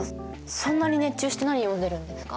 そんなに熱中して何読んでるんですか？